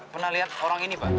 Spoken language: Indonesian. pernah lihat orang ini pak